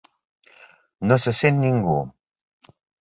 No se sent ningú.